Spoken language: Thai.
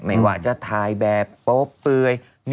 ไม่ว่าจะถ่ายแบบปล้อย